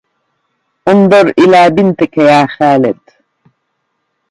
انظر إلى بنتك يا خالد